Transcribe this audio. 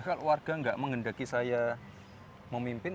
kalau warga nggak mengendaki saya memimpin